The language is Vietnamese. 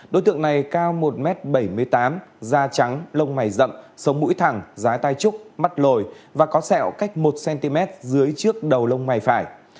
đối tượng này cao một m bảy mươi tám da trắng lông mày rậm sống mũi thẳng giá tai trúc mắt lồi và có sẹo cách một cm dưới trước đầu lông mày phải